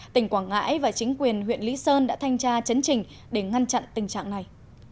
tỉnh quảng ngãi và chính quyền huyện lý sơn đã thanh tra chấn trình để ngăn chặn tình trạng này